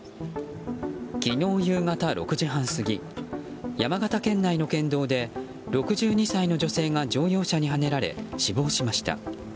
昨日夕方６時半過ぎ山形県内の県道で６２歳の女性が乗用車にはねられ死亡しました。